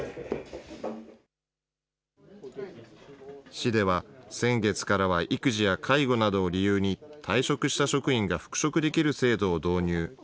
市では先月からは、育児や介護などを理由に、退職した職員が復職できる制度を導入。